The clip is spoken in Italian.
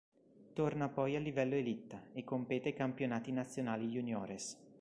Torna poi al livello "élite" e compete ai Campionati nazionali juniores.